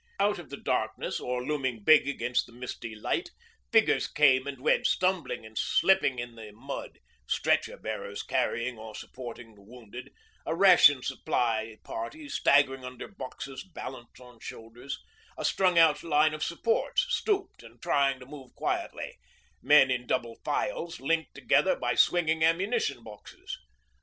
Out of the darkness, or looming big against the misty light, figures came and went stumbling and slipping in the mud stretcher bearers carrying or supporting the wounded, a ration party staggering under boxes balanced on shoulders, a strung out line of supports stooped and trying to move quietly, men in double files linked together by swinging ammunition boxes.